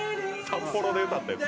「札幌で歌ったやつ」